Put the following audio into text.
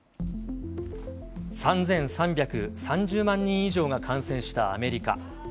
３３３０万人以上が感染したアメリカ。